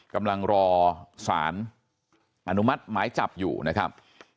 กำลังรอสารอนุมัติหมายจับอยู่นะครับ